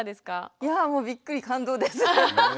いやもうびっくり感動です。